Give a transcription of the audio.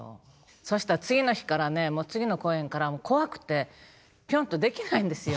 そしたら次の日からねもう次の公演から怖くてピョンとできないんですよ。